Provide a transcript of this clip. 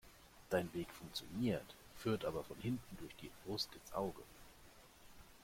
Dein Weg funktioniert, führt aber von hinten durch die Brust ins Auge.